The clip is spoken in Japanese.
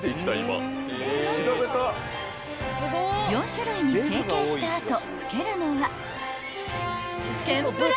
［４種類に成型した後つけるのは］